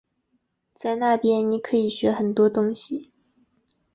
在那边你可以学很多东西